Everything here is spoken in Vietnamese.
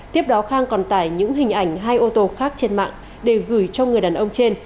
tiếp đó khang còn tải những hình ảnh hai ô tô khác trên mạng để gửi cho người đàn ông trên